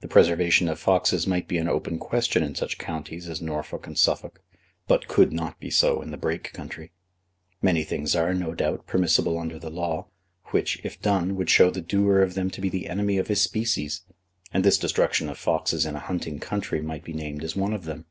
The preservation of foxes might be an open question in such counties as Norfolk and Suffolk, but could not be so in the Brake country. Many things are, no doubt, permissible under the law, which, if done, would show the doer of them to be the enemy of his species, and this destruction of foxes in a hunting country may be named as one of them.